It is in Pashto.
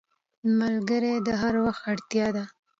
ملګری د هر وخت اړتیا ده